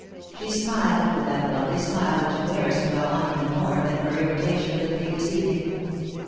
She smiled with that lovely smile which embarrassed Florent even more, than her irritation of the previous evening.